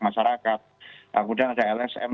masyarakat kemudian ada lsm